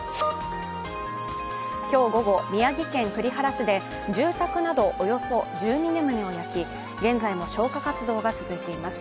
今日午後、宮城県栗原市で住宅などおよそ１２棟を焼き、現在も消火活動が続いています。